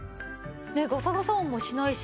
ガサガサ音もしないし。